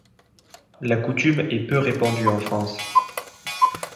La coutume est peu répandue en France.